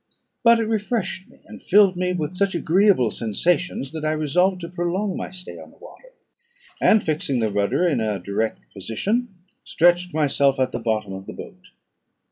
But it refreshed me, and filled me with such agreeable sensations, that I resolved to prolong my stay on the water; and, fixing the rudder in a direct position, stretched myself at the bottom of the boat.